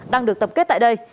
đang được tập kết tại đây